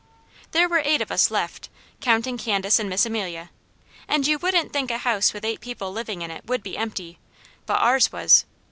There were eight of us left, counting Candace and Miss Amelia, and you wouldn't think a house with eight people living in it would be empty, but ours was.